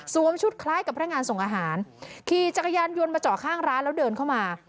ชุดคล้ายกับพนักงานส่งอาหารขี่จักรยานยนต์มาจอดข้างร้านแล้วเดินเข้ามา